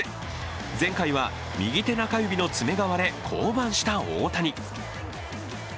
前回は右手中指の爪が割れ、降板した大谷。